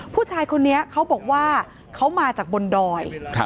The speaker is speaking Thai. ผู้ชายคนนี้เขาบอกว่าเขามาจากบนดอย